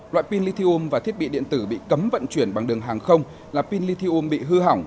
loại pin lithium và thiết bị điện tử bị cấm vận chuyển bằng đường hàng không là pin lithium bị hư hỏng